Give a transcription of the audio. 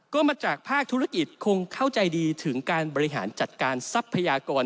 ก็มาจากภาคธุรกิจคงเข้าใจดีถึงการบริหารจัดการทรัพยากร